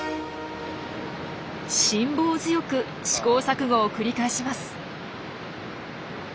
辛抱強く試行錯誤を繰り返します。